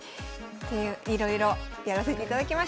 いろいろやらせていただきました。